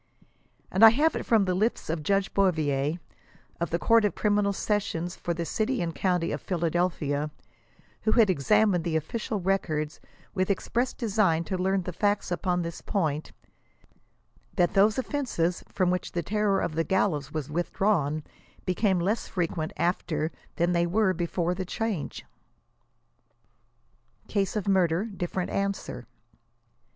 And I have it from the lips of Judge Bouvier, of the Court of Criminal Sessions for the City and County of Phila delphia, who had examined the ofBcial records with express design to learn the facts upon this point, that those offenses from which the terror of the gallows was withdrawn, became less frequent after than they were before the change. "CASE OF MURDER DIFFERENT." ANSWER.